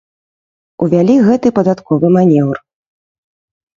Увялі гэты падатковы манеўр.